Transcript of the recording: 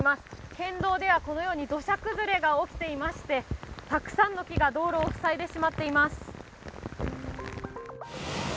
県道ではこのように土砂崩れが起きていましてたくさんの木が道路を塞いでしまっています。